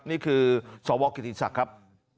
นี่คือสวกิติศักดิ์ครับ